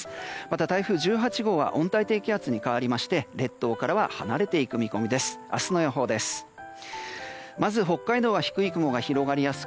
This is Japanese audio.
また台風１８号は温帯低気圧に変わりまして列島からは離れていく見込みです。